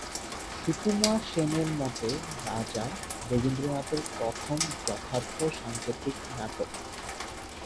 সুকুমার সেনের মতে "রাজা" রবীন্দ্রনাথের প্রথম যথার্থ সাংকেতিক নাটক।